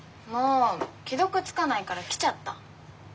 既読つかないから来ちゃった。